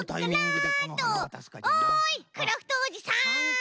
おいクラフトおじさん。